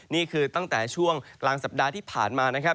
นี่คือตั้งแต่ช่วงกลางสัปดาห์ที่ผ่านมานะครับ